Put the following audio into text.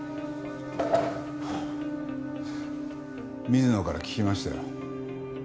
水野から聞きましたよ。